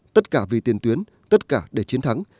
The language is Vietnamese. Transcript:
tất cả vì tiền tuyến tất cả để chiến thắng